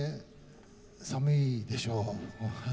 寒いでしょう。